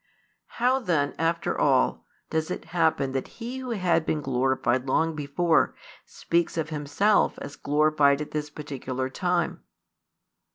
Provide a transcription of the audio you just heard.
How then, after all, does it happen that He Who had been glorified long before speaks of Himself as glorified at this particular time?